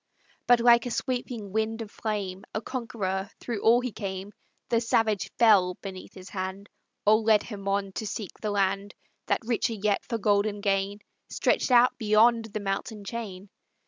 But like a sweeping wind of flame A conqueror through all he came; The savage fell beneath his hand, Or led him on to seek the land That richer yet for golden gain Stretched out beyond the mountain chain.